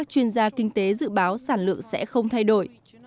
các chuyên gia kinh tế dự báo sản lượng sẽ không thay đổi